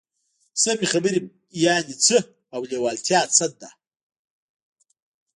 سمې خبرې يانې څه او لېوالتيا څه ده؟